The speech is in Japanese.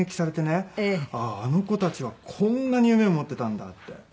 「あああの子たちはこんなに夢を持ってたんだ」って。